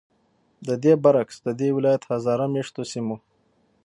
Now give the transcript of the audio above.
ددې برعکس، ددې ولایت هزاره میشتو سیمو